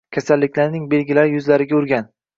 Kasallikning belgilari yuzlariga urgan.